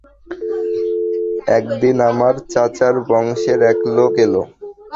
একদিন আমার চাচার বংশের এক লোক এল।